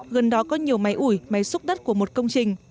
gần đó có nhiều máy ủi máy xúc đất của một công trình